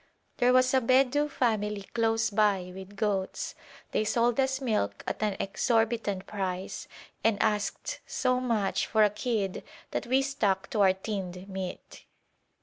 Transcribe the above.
There was a Bedou family close by with goats; they sold us milk at an exorbitant price and asked so much for a kid that we stuck to our tinned meat.